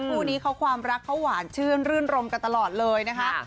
คู่นี้เขาความรักเขาหวานชื่นรื่นรมกันตลอดเลยนะคะ